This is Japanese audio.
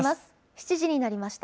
７時になりました。